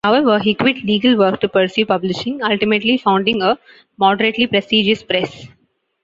However, he quit legal work to pursue publishing, ultimately founding a moderately prestigious press.